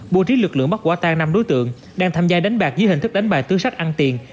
bố trí lực lượng bắt quả tan năm đối tượng đang tham gia đánh bạc dưới hình thức đánh bài tứ sách ăn tiền